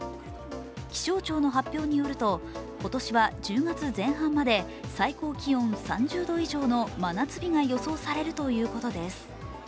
気象庁の発表によると今年は１０月前半まで最高気温３０度以上の真夏日が予想されるということです。